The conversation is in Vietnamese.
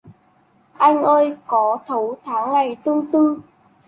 Anh ơi có thấu tháng ngày tương tư